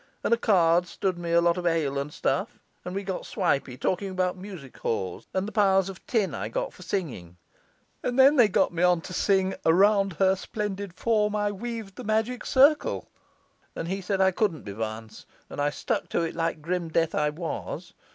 And a card stood me a lot of ale and stuff, and we got swipey, talking about music halls and the piles of tin I got for singing; and then they got me on to sing "Around her splendid form I weaved the magic circle," and then he said I couldn't be Vance, and I stuck to it like grim death I was.